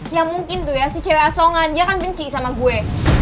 ya mungkin tuh ya si cewek asongan dia akan benci sama gue